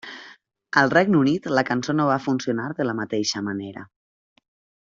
Al Regne Unit la cançó no va funcionar de la mateixa manera.